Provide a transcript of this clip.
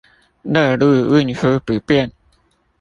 內陸運輸不便